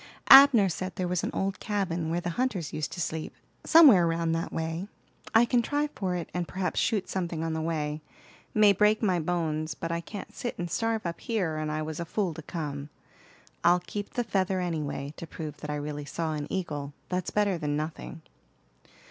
Abner said there was an old cabin, where the hunters used to sleep, somewhere round that way. I can try for it, and perhaps shoot something on the way. May break my bones, but I can't sit and starve up here, and I was a fool to come. I'll keep the feather anyway, to prove that I really saw an eagle; that's better than nothing."